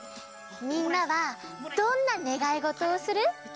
みんなはどんなねがいごとをする？